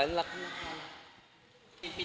ปีนี้พักก่อนเหรอ